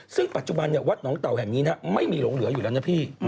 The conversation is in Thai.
ซึ่งปัจจุบันวัดหนองเต่าแห่งนี้ไม่มีหลงเหลืออยู่แล้วนะพี่